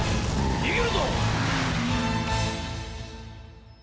にげるぞ！